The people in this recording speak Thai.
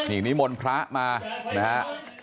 อีกนี้มนต์พระมานะฮะ